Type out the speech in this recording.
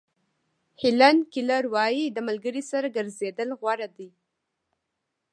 هیلن کیلر وایي د ملګري سره ګرځېدل غوره دي.